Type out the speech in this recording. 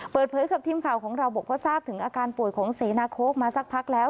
เปิดเผยกับทีมข่าวของเราบอกว่าทราบถึงอาการป่วยของเสนาโค้กมาสักพักแล้ว